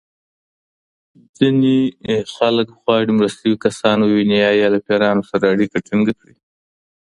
ځینې خلک غواړي مړه شوي کسان وویني یا له پېریانو سره اړیکه ټېنګه کړي.